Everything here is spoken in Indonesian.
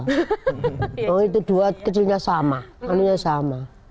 kalau itu dua kecilnya sama